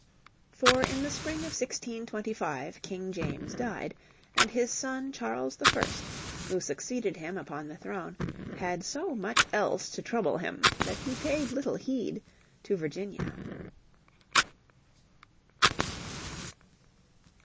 For in the spring of 1625 King James died, and his son Charles I, who succeeded him upon the throne, had so much else to trouble him that he paid little heed to Virginia.